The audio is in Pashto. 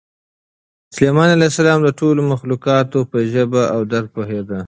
سلیمان علیه السلام د ټولو مخلوقاتو په ژبه او درد پوهېده.